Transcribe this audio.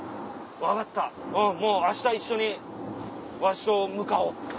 「分かったもう明日一緒にわしと向かおう」。